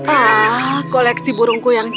ah koleksi burung burung cantik